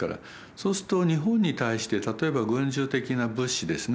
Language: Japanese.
そうすると日本に対して例えば軍需的な物資ですね